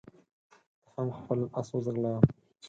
ته هم خپل اس وځغلوه.